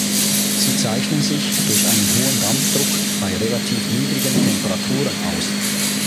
Sie zeichnen sich durch einen hohen Dampfdruck bei relativ niedrigen Temperaturen aus.